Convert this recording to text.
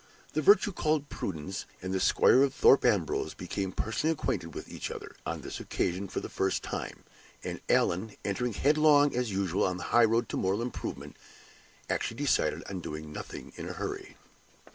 The virtue called Prudence and the Squire of Thorpe Ambrose became personally acquainted with each other, on this occasion, for the first time; and Allan, entering headlong as usual on the high road to moral improvement, actually decided on doing nothing in a hurry!